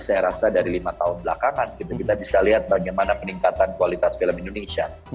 saya rasa dari lima tahun belakangan kita bisa lihat bagaimana peningkatan kualitas film indonesia